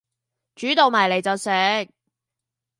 煮到埋嚟就食